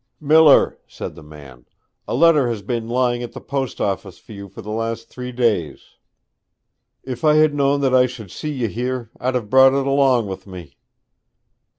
'Miller,' said the man, 'a letter has been lying at the post office for you for the last three days. If I had known that I should see ye here I'd have brought it along with me.'